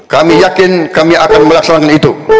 kami yakin kami akan melaksanakan itu